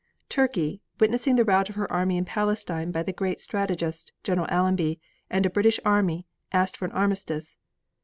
Turkey, witnessing the rout of her army in Palestine by the great strategist, General Allenby, and a British army, asked for an armistice.